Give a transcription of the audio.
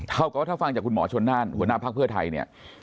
ถ้าฟังจากคุณหมอชนท่านหัวหน้าภาคเพื่อไทยเนี่ย